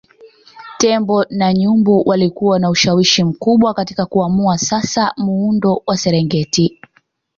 Tembo na nyumbu walikuwa na ushawishi mkubwa katika kuamua sasa muundo wa Serengeti